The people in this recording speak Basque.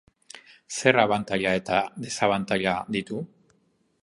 Zer abantaila eta desabantaila ditu?